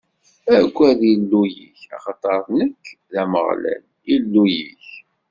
Aggad Illu-yik, axaṭer nekk, d Ameɣlal, Illu-yik.